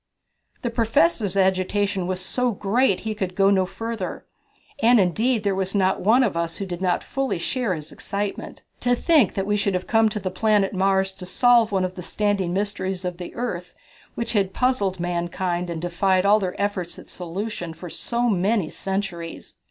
The Professor's agitation was so great that he could go no further. And indeed there was not one of us who did not fully share his excitement. To think that we should have come to the planet Mars to solve one of the standing mysteries of the earth, which had puzzled mankind and defied all their efforts at solution for so many centuries!